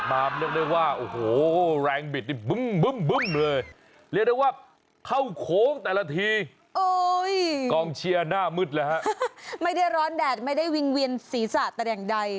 บังยังไงก็บังไม่มี